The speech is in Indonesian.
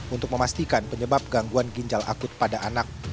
untuk memastikan penyebab gangguan ginjal akut pada anak